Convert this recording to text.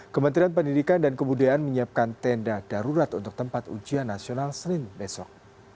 kementerian pendidikan dan kebudayaan menyiapkan tenda darurat untuk tempat ujian nasional senin besok